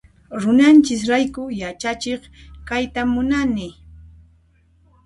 Runanchis rayku yachachiq kayta munani.